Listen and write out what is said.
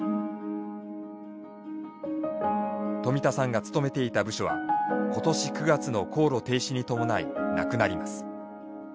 冨田さんが勤めていた部署は今年９月の高炉停止に伴いなくなります。